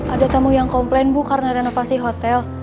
ada tamu yang komplain bu karena renovasi hotel